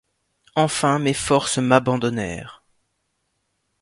Enfin mes forces m’abandonnèrent.